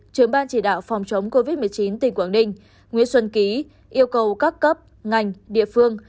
trường ban chỉ đạo phòng chống covid một mươi chín tỉnh quảng ninh nguyễn xuân ký yêu cầu các cấp ngành địa phương